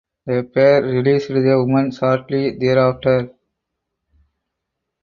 The pair released the woman shortly thereafter.